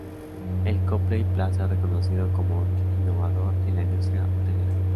El Copley Plaza es reconocido como un innovador en la industria hotelera.